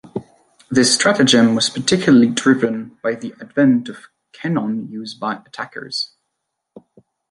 This stratagem was particularly driven by the advent of cannon used by attackers.